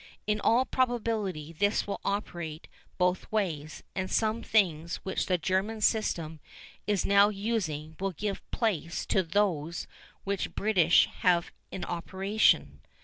In all probability this will operate both ways, and some things which the German system is now using will give place to those which the British have in operation.